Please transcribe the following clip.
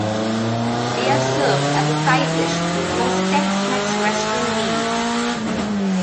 They are served as a side dish with most Tex-Mex restaurant meals.